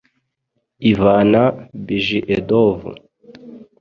Ivana Bjedov